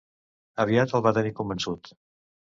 Aviat el va tenir convençut.